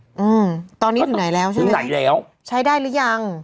อืมตอนนี้ถึงไหนแล้วใช่ไหมนะใช้ได้หรือยังถึงไหนแล้ว